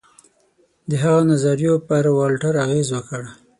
د هغه نظریو پر والټر اغېز وکړ.